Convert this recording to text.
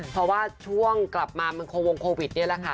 เพราะว่าช่วงกลับมามันคงวงโควิดนี่แหละค่ะ